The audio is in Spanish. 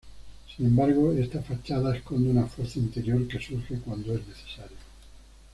Sin embargo, esta fachada esconde una fuerza interior que surge cuando es necesario.